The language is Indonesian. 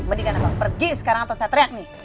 mendingan abang pergi sekarang atau saya teriak nih